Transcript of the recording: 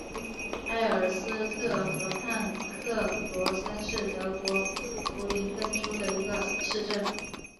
埃尔斯特河畔克罗森是德国图林根州的一个市镇。